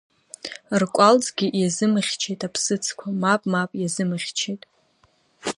Ркәалӡгьы иазымыхьчеит аԥсыӡқәа, мап, мап, иазымыхьчеит…